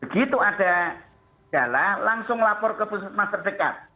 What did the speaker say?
begitu ada jalan langsung lapor ke puskesmas terdekat